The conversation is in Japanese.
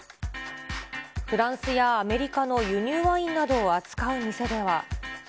フランスやアメリカの輸入ワインなどを扱う店では。